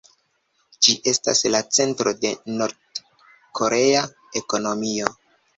Ĝi estas la centro de Nord-korea ekonomio.